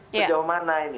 sejauh mana ini